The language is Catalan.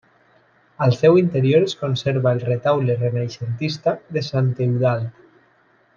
Al seu interior es conserva el retaule renaixentista de Sant Eudald.